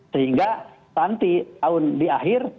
sehingga nanti tahun di akhir